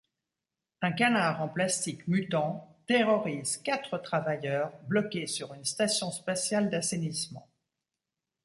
Un canard en plastique mutant terrorise quatre travailleurs bloqués sur une station spatiale d'assainissement.